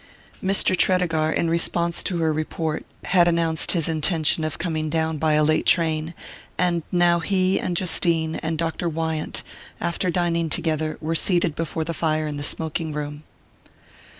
Mr. Tredegar, in response to her report, had announced his intention of coming down by a late train, and now he and Justine and Dr. Wyant, after dining together, were seated before the fire in the smoking room.